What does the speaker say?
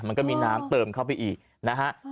มันก็มีน้ำเติมเข้าไปอีกนะฮะ